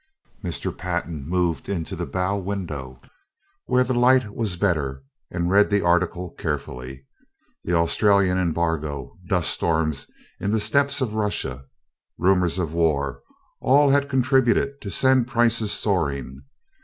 Mr. Pantin moved into the bow window where the light was better and read the article carefully. The Australian embargo, dust storms in the steppes of Russia, rumors of war, all had contributed to send prices soaring.